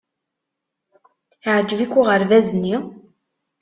Yeɛjeb-ik uɣerbaz-nni?